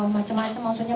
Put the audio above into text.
begitu dihadapkan dengan